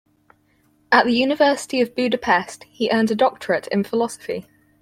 At the University of Budapest, he earned a doctorate in philosophy.